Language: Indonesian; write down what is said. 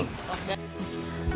top dari dulu